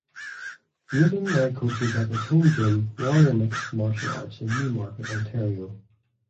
Newton now coaches at his home gym Warrior Mixed Martial Arts in Newmarket, Ontario.